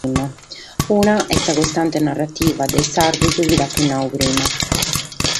Una est sa costante narrativa de sos sardos chi t’apo naradu prima.